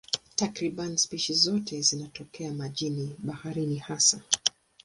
Takriban spishi zote zinatokea majini, baharini hasa.